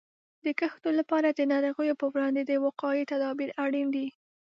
د کښتونو لپاره د ناروغیو په وړاندې د وقایې تدابیر اړین دي.